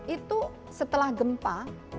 itu setelah gempa